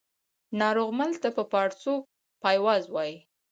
ناروغمل ته په پاړسو پایواز وايي